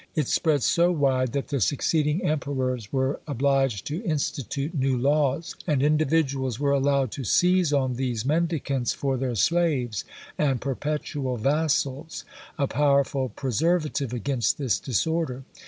It spread so wide that the succeeding emperors were obliged to institute new laws; and individuals were allowed to seize on these mendicants for their slaves and perpetual vassals: a powerful preservative against this disorder.